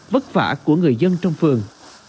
vất vả của người dân trong phường